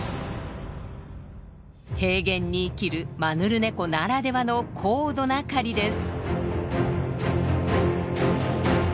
平原に生きるマヌルネコならではの高度な狩りです。